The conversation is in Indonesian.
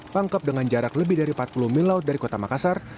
pangkep dengan jarak lebih dari empat puluh mil laut dari kota makassar